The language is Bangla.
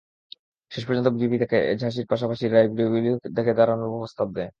শেষ পর্যন্ত বিজেপি তাঁকে ঝাঁসির পাশাপাশি রায়বেরিলি থেকেও দাঁড়ানোরও প্রস্তাব দেয়।